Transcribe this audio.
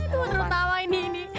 aduh terlalu tawa ini ini